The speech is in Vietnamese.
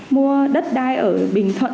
mua đất đai ở bình thuận